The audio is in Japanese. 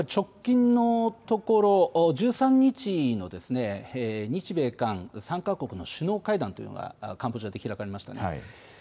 直近のところ、１３日の日米韓３か国の首脳首脳会談というのがカンボジアで開かれました。